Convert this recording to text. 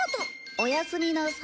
おやすみなさ。